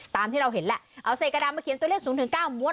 ตามที่เราเห็นแหละเอาเสกระดาษมาเขียนตัวเลขสูงถึงเก้ามวล